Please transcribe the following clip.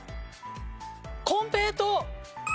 コンペイトウ！